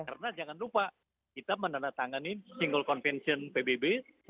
karena jangan lupa kita menandatangani single convention pbb seribu sembilan ratus enam puluh satu